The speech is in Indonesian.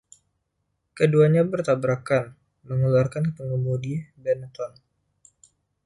Keduanya bertabrakan, mengeluarkan pengemudi Benetton.